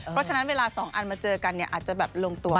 เพราะฉะนั้นเวลาสองอันมาเจอกันอาจจะลงตัวก็ได้